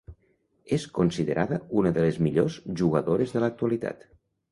És considerada una de les millors jugadores de l'actualitat.